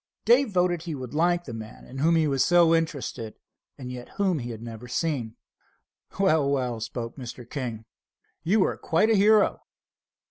Dave voted he would like the man in whom he was so interested yet whom he had never seen. "Well, well," spoke Mr. King, "you were quite a hero.